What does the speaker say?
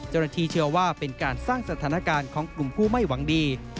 เจ้าหน้าที่เชื่อว่าเป็นการสร้างสถานการณ์ของกลุ่มผู้ไม่หวังดี